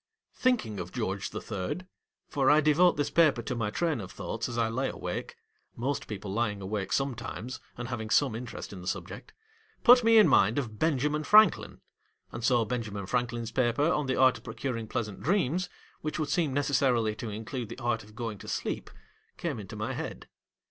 Thinking of George the Third — for I devote this paper to my train of thoughts as I lay awake : most people lying awake sometimes, and having some interest in the subject— put me in mind of BENJAMIN FRANKLIN, and so Benjamin Franklin's paper on the art of pro curing pleasant dreams, which would seem necessarily to include the art of going to sleep, came into my head.